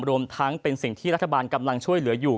รวมทั้งเป็นสิ่งที่รัฐบาลกำลังช่วยเหลืออยู่